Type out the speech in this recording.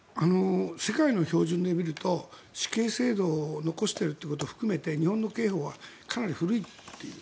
世界の標準で見ると死刑制度を残しているということを含めて日本の刑法はかなり古いという。